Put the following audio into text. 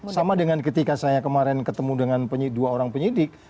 sama dengan ketika saya kemarin ketemu dengan dua orang penyidik